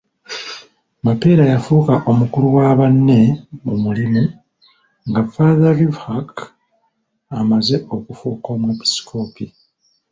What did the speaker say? Mapeera yafuuka omukulu wa banne mu mulimu, nga Father Livinhac amaze okufuuka Omwepiskopi.